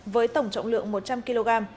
với tổng trọng lượng một trăm linh kg